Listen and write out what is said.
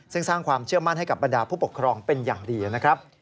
ซึ่งสร้างความเชื่อมั่นให้กับบรรดาผู้ปกครองเป็นอย่างดีนะครับ